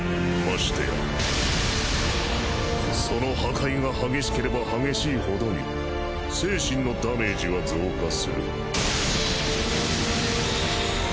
ましてやその破壊が激しければ激しいほどに精神のダメージは増加する。